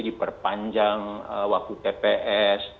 diperpanjang waktu tps